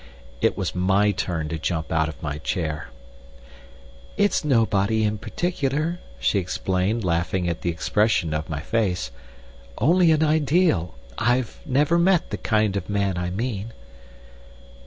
It was my turn to jump out of my chair. "It's nobody in particular," she explained, laughing at the expression of my face: "only an ideal. I've never met the kind of man I mean."